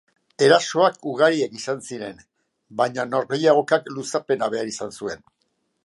Erasoak ugariak izan ziren, baina norgehiagokak luzapena behar izan zuen.